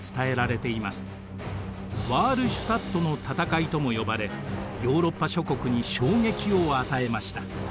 ワールシュタットの戦いとも呼ばれヨーロッパ諸国に衝撃を与えました。